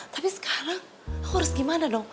tapi sekarang aku harus gimana dong